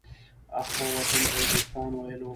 اخوا وطن ته هندوستان ويلو.